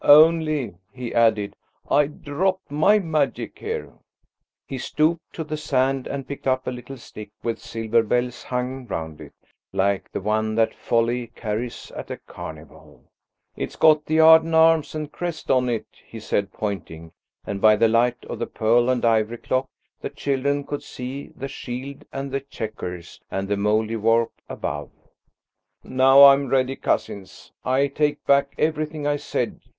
"Only," he added, "I dropped my magic here." He stooped to the sand and picked up a little stick with silver bells hung round it, like the one that Folly carries at a carnival. "It's got the Arden arms and crest on it," he said, pointing, and by the light of the pearl and ivory clock the children could see the shield and the chequers and the Mouldiwarp above. "Now I'm ready. Cousins, I take back everything I said.